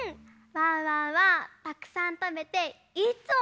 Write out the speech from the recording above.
ワンワンはたくさんたべていっつもげんき！